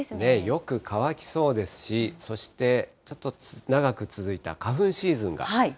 よく乾きそうですし、そしてちょっと長く続いた花粉シーズン